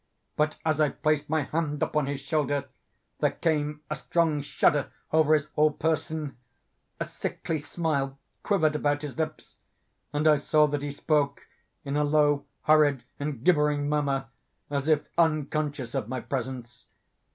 But, as I placed my hand upon his shoulder, there came a strong shudder over his whole person; a sickly smile quivered about his lips; and I saw that he spoke in a low, hurried, and gibbering murmur, as if unconscious of my presence.